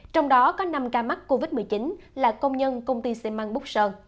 trong đó có năm ca mắc covid một mươi chín là công nhân công ty xe măng bút sơn